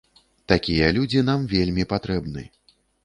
Такія людзі нам вельмі патрэбны.